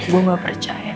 gue gak percaya